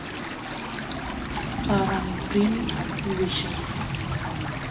paran rini willay